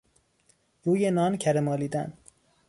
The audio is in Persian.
روی نان کره مالیدن